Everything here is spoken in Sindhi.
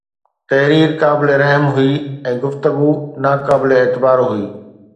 تحرير قابل رحم هئي ۽ گفتگو ناقابل اعتبار هئي